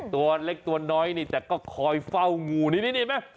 ตัวเล็กตัวน้อยนี่แต่ก็คอยเฝ้างูนี่ไหม